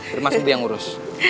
biar mas bubi yang urus